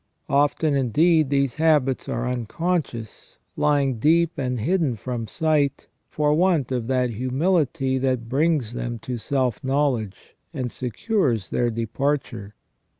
Often, indeed, these habits are unconscious, lying deep and hidden from sight, for want of that humihty that brings them to self knowledge, and secures their departure.